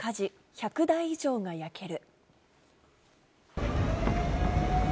１００台以上が焼ける。